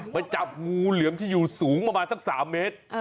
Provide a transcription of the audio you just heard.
ไปจับงูเหลือมที่อยู่สูงประมาณสัก๓เมตร